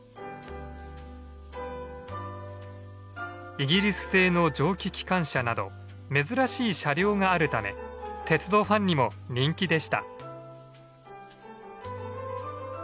イギリス製の蒸気機関車など珍しい車両があるため鉄道ファンにも人気でした。